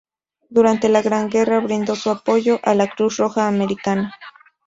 Durante la Gran Guerra, brindó su apoyo a la Cruz Roja Americana.